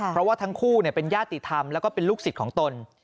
เพราะว่าทั้งคู่เป็นญาติธรรมแล้วก็เป็นลูกศิษย์ของตน